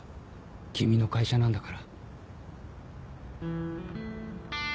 君の会社なんだから。